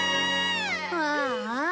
ああ。